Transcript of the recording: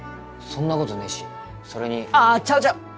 そんなことねえしそれにああちゃうちゃう